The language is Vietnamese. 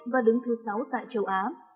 và đứng thứ sáu tại châu á